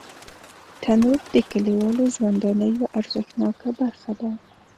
تنور د کلیوالو ژوندانه یوه ارزښتناکه برخه ده